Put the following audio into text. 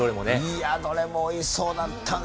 いやー、どれもおいしそうだったね。